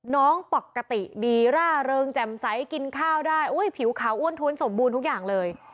น้องปกติดีร่าเริงแจ่มใสกินข้าวได้ผิวขาวอ้วนท้วนสมบูรณ์ทุกอย่างเลย